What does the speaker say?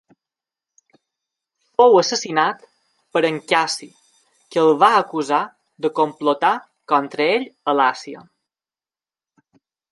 Fou assassinat el per Cassi que el va acusar de complotar contra ell a l'Àsia.